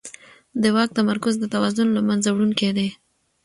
د واک تمرکز د توازن له منځه وړونکی دی